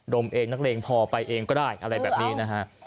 มเองนักเลงพอไปเองก็ได้อะไรแบบนี้นะฮะ